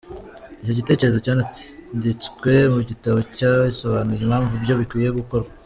Icyo gitekerezo cyananditswe mu gitabo, cyasobanuye impamvu ibyo bikwiye gukorwa.